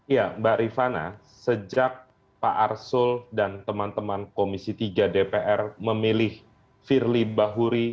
ya mbak rifana sejak pak arsul dan teman teman komisi tiga dpr memilih firly bahuri